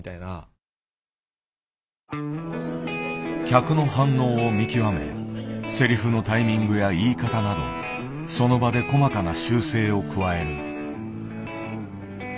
客の反応を見極めセリフのタイミングや言い方などその場で細かな修正を加える。